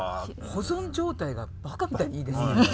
保存状態がばかみたいにいいです。